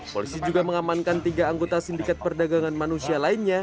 polisi juga mengamankan tiga anggota sindikat perdagangan manusia lainnya